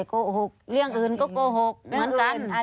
โกหกเรื่องอื่นก็โกหกเหมือนกัน